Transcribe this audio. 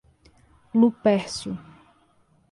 Lupércio